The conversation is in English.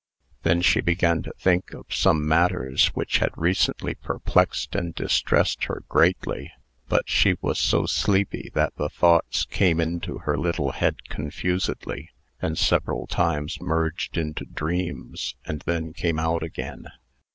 Then she began to think of some matters which had recently perplexed and distressed her greatly. But she was so sleepy, that the thoughts came into her little head confusedly, and, several times, merged into dreams, and then came out again.